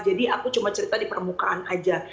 jadi aku cuma cerita di permukaan aja